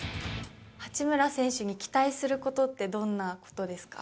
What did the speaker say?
八村選手に期待することって、どんなことですか。